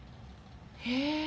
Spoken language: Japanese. へえ。